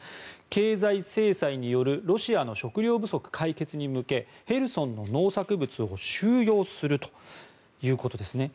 経済制裁によるロシアの食糧不足解決に向けヘルソンの農作物を収用するということですね。